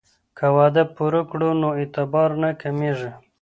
که وعده پوره کړو نو اعتبار نه کمیږي.